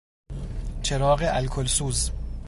چراغ الکلسوز